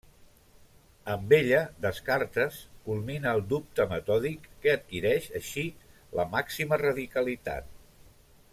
Amb ella, Descartes culmina el dubte metòdic, que adquireix així la màxima radicalitat.